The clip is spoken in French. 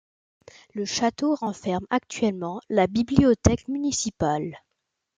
Le château renferme actuellement la bibliothèque municipale.